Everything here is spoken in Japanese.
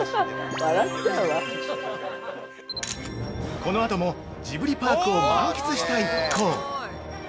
◆このあともジブリパークを満喫した一行。